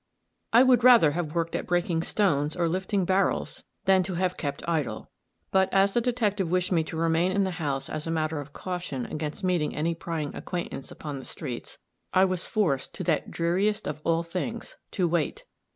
I would rather have worked at breaking stones or lifting barrels than to have kept idle; but, as the detective wished me to remain in the house as a matter of caution against meeting any prying acquaintance upon the streets, I was forced to that dreariest of all things to wait.